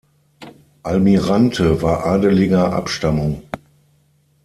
Almirante war adeliger Abstammung.